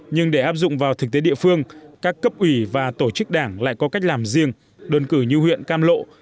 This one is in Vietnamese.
nhưng để áp dụng vào thực tế địa phương các cấp ủy và tổ chức đảng lại có cách làm riêng đơn cử như huyện cam lộ